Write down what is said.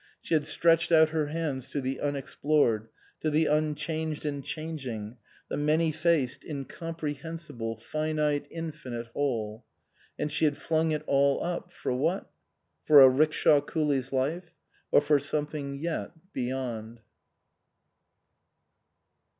She had stretched out her hands to the unexplored, to the unchanged and changing, the many faced, incomprehensible, finite, infinite Whole. And she had flung it all up ; for what ? For a 'rickshaw coolie's life? Or for some thing yet beyond